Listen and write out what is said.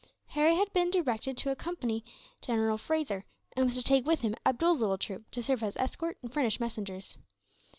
Harry had been directed to accompany General Fraser, and was to take with him Abdool's little troop, to serve as escort and furnish messengers.